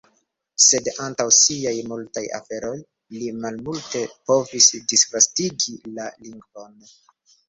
Sed, antaŭ siaj multaj aferoj, li malmulte povis disvastigi la lingvon.